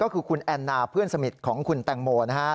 ก็คือคุณแอนนาเพื่อนสนิทของคุณแตงโมนะฮะ